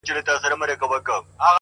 هوښیار فکر شخړې راکموي؛